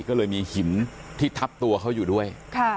ก็เลยมีหินที่ทับตัวเขาอยู่ด้วย